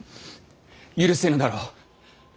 許せぬだろう。